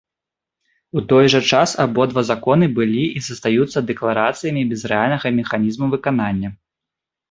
У той жа час абодва законы былі і застаюцца дэкларацыямі без рэальнага механізму выканання.